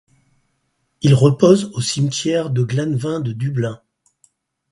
Il repose au cimetière de Glasnevin de Dublin.